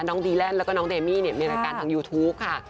น้องดีแลนด์แล้วก็น้องเดมี่มีรายการทางยูทูปค่ะ